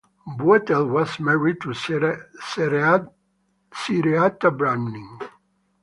Buetel was married to Cereatha Browning.